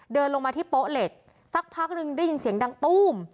เดินลงมาที่โป๊ะเหล็กสักพักหนึ่งได้ยินเสียงดังตู้ม